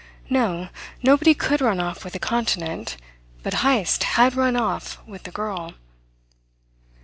No, nobody could run off with a continent; but Heyst had run off with the girl!